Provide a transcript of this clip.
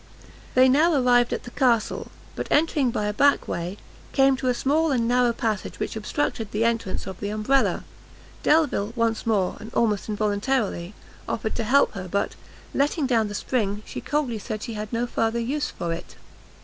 They now arrived at the castle; but entering by a back way, came to a small and narrow passage which obstructed the entrance of the umbrella; Delvile once more, and almost involuntarily, offered to help her; but, letting down the spring, she coldly said she had no further use for it.